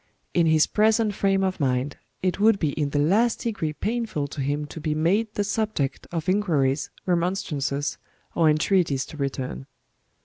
In his present frame of mind, it would be in the last degree painful to him to be made the subject of inquiries, remonstrances, or entreaties to return."